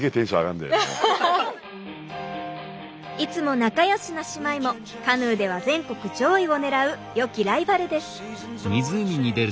いつも仲よしな姉妹もカヌーでは全国上位を狙うよきライバルです。